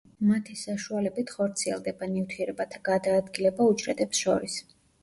მათი საშუალებით ხორციელდება ნივთიერებათა გადაადგილება უჯრედებს შორის.